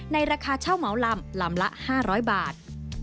ราคาเช่าเหมาลำลำละ๕๐๐บาท